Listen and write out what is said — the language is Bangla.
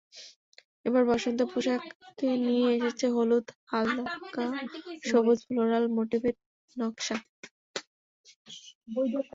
এবার বসন্তে পোশাকে নিয়ে এসেছে হলুদ, হালকা সবুজ, ফ্লোরাল মোটিভের নকশা।